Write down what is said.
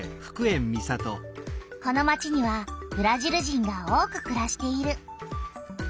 この町にはブラジル人が多くくらしている。